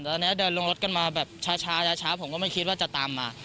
ตอนนี้เดินลงรถกันมาแบบช้าผมก็ไม่คิดว่าจะตามมา